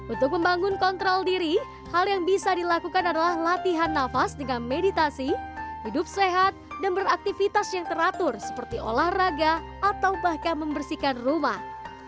untuk membangun kontrol diri hal yang bisa dilakukan adalah latihan nafas dengan meditasi hidup sehat dan beraktivitas yang teratur seperti olahraga atau bahkan membersihkan rumah